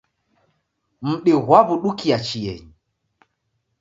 Mdi ghwaw'udukia chienyi